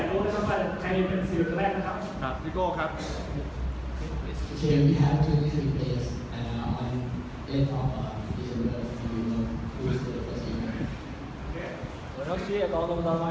ก็ถือว่าเป็นโอกาสดีนะครับเพราะว่าเราจะได้มีทอปสคอลเลอร์มาอีกหนึ่งคน